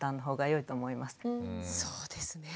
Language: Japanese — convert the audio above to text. そうですね。